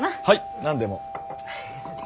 はい何でも。